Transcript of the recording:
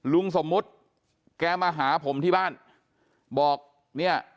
ลุงสมมุติแกมาหาผมที่บ้านบอกเนี่ย